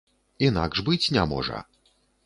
Інакш быць не можа.